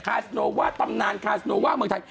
สโนว่าตำนานคาสโนว่าเมืองไทย